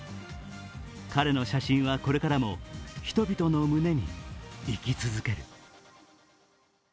彼の写真はこれからも人々の胸に生き続ける。